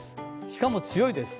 しかも強いです。